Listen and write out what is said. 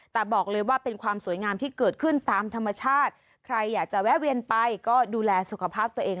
แต่บอกเลยว่าเป็นความสวยงามที่เกิดขึ้นตามธรรมชาติใครอยากจะแวะเวียนไปก็ดูแลสุขภาพตัวเอง